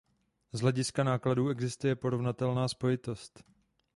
Z hlediska nákladů, existuje porovnatelná spojitost.